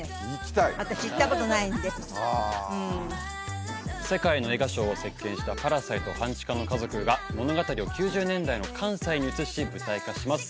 私行ったことないんでうん世界の映画賞を席巻した「パラサイト半地下の家族」が物語を９０年代の関西に移し舞台化します